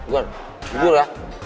gue jujur lah